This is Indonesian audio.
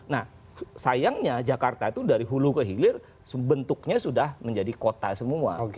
nah sayangnya jakarta itu dari hulu ke hilir bentuknya sudah menjadi kota semua